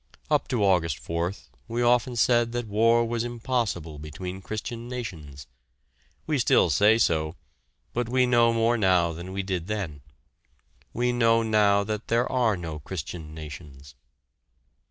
Up to August fourth, we often said that war was impossible between Christian nations. We still say so, but we know more now than we did then. We know now that there are no Christian nations.